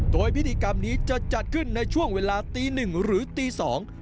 โดยพิธีกรรมนี้จะจัดขึ้นในช่วงเวลาตีหนึ่งหรือตีสอง